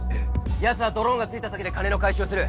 ヤツはドローンが着いた先で金の回収をする。